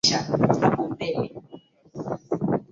yanayotokana na uharibifu unajulikana kama ujazo wa alostati